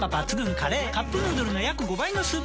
「カップヌードル」の約５倍のスープコスト！